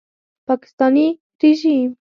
پاکستاني ریژیم